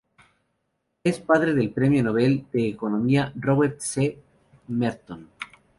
Es padre del Premio Nobel de Economía Robert C. Merton.